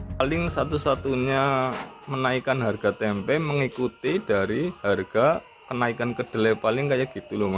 paling satu satunya menaikkan harga tempe mengikuti dari harga kenaikan kedelai paling kayak gitu loh